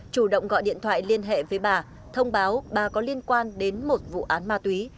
chủ động gọi điện thoại liên hệ với bà thông báo bà có liên quan đến một vụ án ma túy